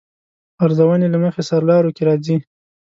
ارزونې له مخې سرلارو کې راځي.